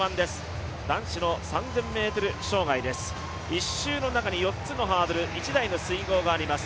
１周の中に４つのハードル、１台の水濠があります。